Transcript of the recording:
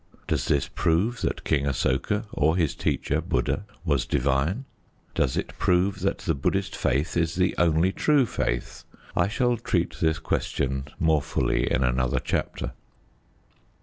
Does this prove that King Asoka or his teacher, Buddha, was divine? Does it prove that the Buddhist faith is the only true faith? I shall treat this question more fully in another chapter.